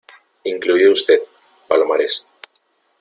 incluido usted, Palomares.